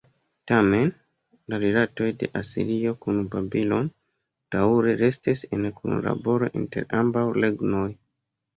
Tamen, la rilatoj de Asirio kun Babilono, daŭre restis en kunlaboro inter ambaŭ regnoj.